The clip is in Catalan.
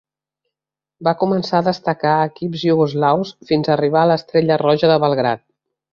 Va començar a destacar a equips iugoslaus fins a arribar a l'Estrella Roja de Belgrad.